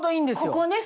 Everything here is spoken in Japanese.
ここね。